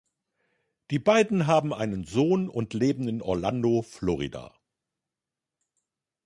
Die beiden haben einen Sohn und leben in Orlando, Florida.